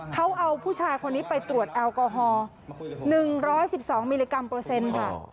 เขาเอาผู้ชายคนนี้ไปตรวจแอลกอฮอล๑๑๒มิลลิกรัมเปอร์เซ็นต์ค่ะ